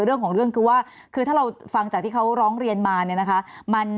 เรื่องของเรื่องคือว่าคือถ้าเราฟังจากที่เขาร้องเรียนมาเนี่ยนะคะ